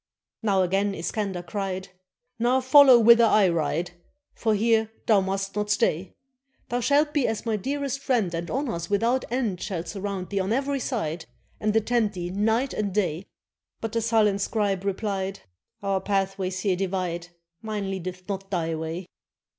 Then again Iskander cried: "Now follow whither I ride, For here thou must not stay. Thou shalt be as my dearest friend, And honors without end Shall surround thee on every side. And attend thee night and day." But the sullen scribe replied: "Our pathways here divide; Mine leadeth not thy way."